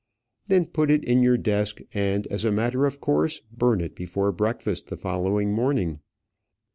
Then put it in your desk; and, as a matter of course, burn it before breakfast the following morning.